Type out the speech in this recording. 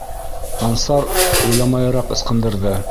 Ансар, уйламайыраҡ ысҡындырҙы.